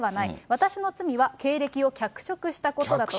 私の罪は経歴を脚色したことだと。